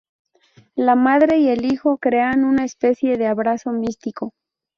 La madre y el hijo crean una especie de abrazo místico.